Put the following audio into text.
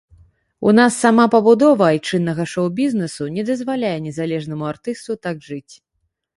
У нас сама пабудова айчыннага шоу-бізнесу не дазваляе незалежнаму артысту так жыць.